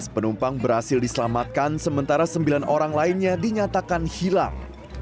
dua belas penumpang berhasil diselamatkan sementara sembilan orang lainnya dinyatakan hilang